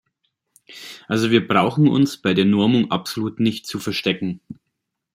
Also wir brauchen uns bei der Normung absolut nicht zu verstecken.